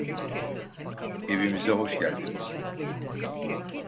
Evimize hoş geldiniz.